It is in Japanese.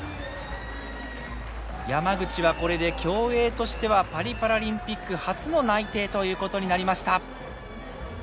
山口はこれで競泳としてはパリパラリンピック初の内定ということになりました。